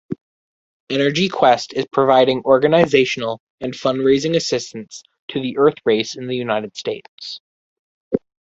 Energy-Quest is providing organizational and fundraising assistance to the Earthrace in the United States.